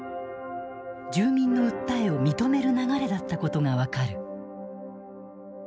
住民の訴えを認める流れだったことが分かる。